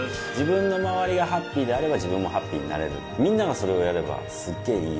自分の周りがハッピーであれば自分もハッピーになれるみんながそれをやればすっげぇ